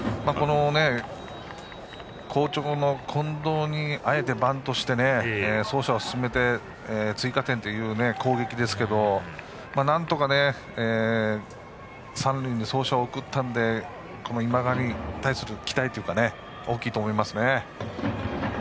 好調の近藤にあえてバントして走者を進めて追加点という攻撃ですがなんとか三塁に走者を送ったのでこの今川に対する期待が大きいと思いますね。